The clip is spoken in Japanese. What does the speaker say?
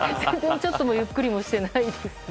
ちょっともゆっくりしてないですね。